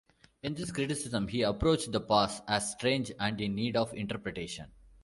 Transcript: In this criticism, he approached the past as strange and in need of interpretation.